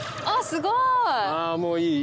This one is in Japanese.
あっすごい！